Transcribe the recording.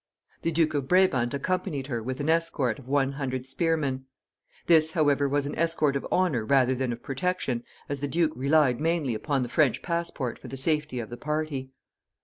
The Duke of Brabant accompanied her, with an escort of one hundred spearmen. This, however, was an escort of honor rather than of protection, as the duke relied mainly upon the French passport for the safety of the party.